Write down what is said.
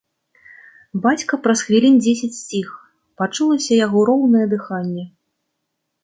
Бацька праз хвілін дзесяць сціх, пачулася яго роўнае дыханне.